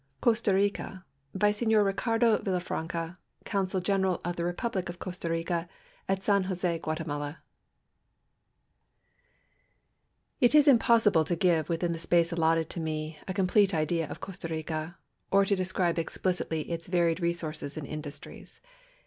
COSTA RICA By SkN()I{ IvICAlUXt \'lI,I,AK|{ANCA, ConSHl Ge))eral of tltf Rrpuhlir of Could Nlat itl San Josr, Gudlemtdit It is impossil)le to give within the space allotted to me a com ]ilete idea of Costa Rica, or to describe explicitly its varied re sources and industries.